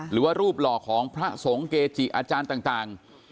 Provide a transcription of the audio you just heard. หรือว่ารูปหล่อของพระสงฆ์เกจิอาจารย์ต่าง